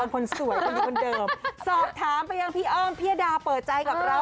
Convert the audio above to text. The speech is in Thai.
คนเดิมสอบถามไปยังพี่เอิ้มพี่อดาเปิดใจกับเรา